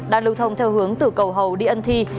đang lưu thông theo hướng từ cầu hầu đi ân thi